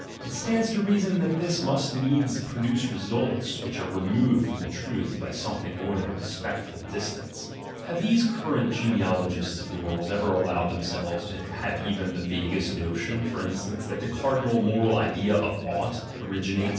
It stands to reason that this must needs produce results which are removed from the truth by something more than a respectful dis tance. Have these current genealogists of morals ever allowed themselves to have even the vaguest notion, for instance, that the cardinal moral idea of "ought" * originates from * The German word "schuld" means both debt and guilt.